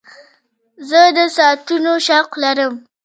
زه د ساعتونو شوق لرم.